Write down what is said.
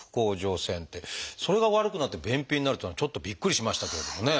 それが悪くなって便秘になるっていうのはちょっとびっくりしましたけれどもね。